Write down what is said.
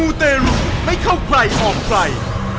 มูเตรุไม่เข้าใครออกไฟ